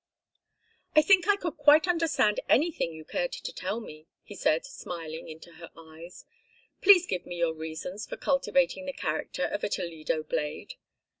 "I think I could quite understand anything you cared to tell me," he said, smiling into her eyes. "Please give me your reasons for cultivating the character of a Toledo blade.